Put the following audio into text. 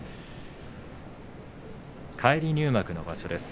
返り入幕の場所です